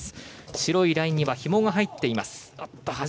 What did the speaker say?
白いラインにはひもが入っています。